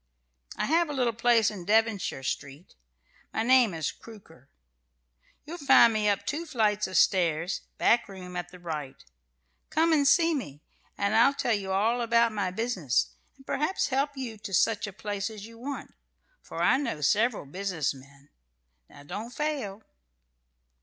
"I have a little place in Devonshire Street. My name is Crooker. You'll find me up two flights of stairs, back room, at the right. Come and see me, and I'll tell you all about my business, and perhaps help you to such a place as you want, for I know several business men. Now don't fail."